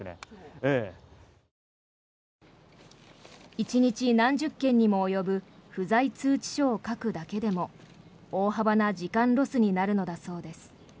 １日何十件にも及ぶ不在通知書を書くだけでも大幅な時間ロスになるのだそうです。